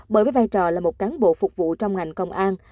bởi với vai trò là một cán bộ phục vụ trong ngành công an